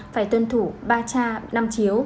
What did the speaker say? phải tuân thủ ba cha năm chiếu